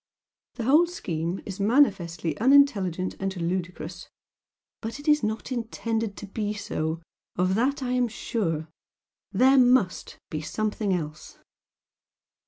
The whole scheme is manifestly unintelligent and ludicrous, but it is not intended to be so of that I am sure. THERE MUST BE SOMETHING ELSE!"